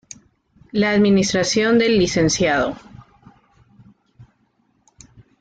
La Administración del Lic.